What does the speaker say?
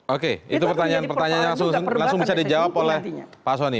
oke itu pertanyaan pertanyaan yang langsung bisa dijawab oleh pak soni